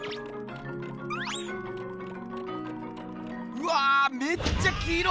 うわめっちゃ黄色！